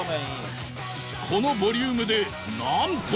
このボリュームでなんと